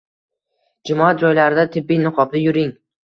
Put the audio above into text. jamoat joylarida tibbiy niqobda yuring